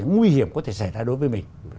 nguy hiểm có thể xảy ra đối với mình